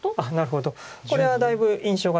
これはだいぶ印象が違います。